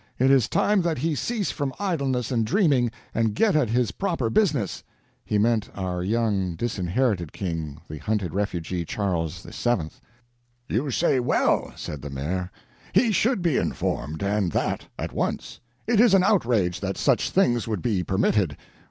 It is time that he cease from idleness and dreaming, and get at his proper business." He meant our young disinherited King, the hunted refugee, Charles VII. "You say well," said the maire. "He should be informed, and that at once. It is an outrage that such things would be permitted.